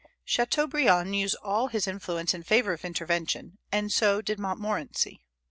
Chateaubriand used all his influence in favor of intervention; and so did Montmorency.